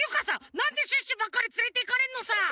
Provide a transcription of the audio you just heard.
なんでシュッシュばっかりつれていかれんのさ？